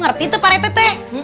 ngerti tuh pak rtt